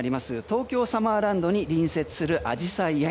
東京サマーランドに隣接するアジサイ園。